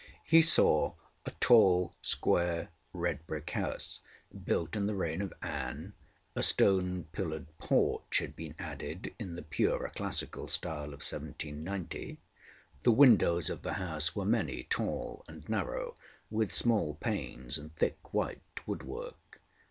He saw a tall, square, red brick house, built in the reign of Anne; a stone pillared porch had been added in the purer classical style of 1790; the windows of the house were many, tall and narrow, with small panes and thick white woodwork.